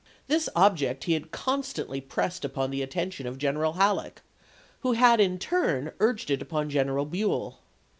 This ob ject he had constantly pressed upon the attention of General Halleck, who had in turn urged it upon General Buell.